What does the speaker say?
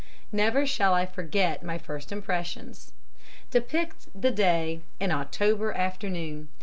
Never shall I forget my first impressions. Depict the day an October afternoon.